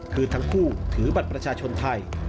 คือทั้งคู่ถือบัตรประชาชนไทย